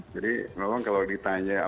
jadi memang kalau ditanya apa